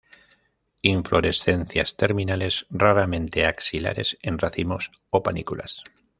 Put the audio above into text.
Inflorescencias terminales, raramente axilares, en racimos o panículas.